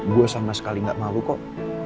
gue sama sekali gak malu kok